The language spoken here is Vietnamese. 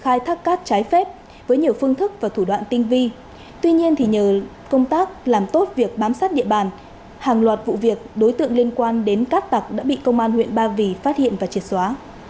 khai thác cát trái phép với nhiều phương thức và thủ đoạn tinh vi tuy nhiên nhờ công tác làm tốt việc bám sát địa bàn hàng loạt vụ việc đối tượng liên quan đến cát tặc đã bị công an huyện ba vì phát hiện và triệt xóa